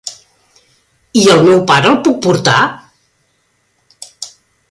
I el meu pare, el puc portar?